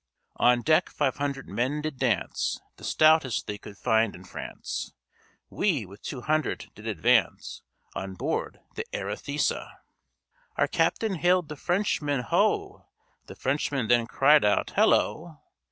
"On deck five hundred men did dance, The stoutest they could find in France; We, with two hundred, did advance On board the Arethusa. Our captain hailed the Frenchman, 'Ho!' The Frenchman then cried out, 'Hallo!'